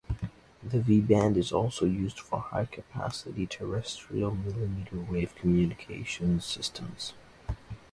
The V band is also used for high capacity terrestrial millimeter wave communications systems.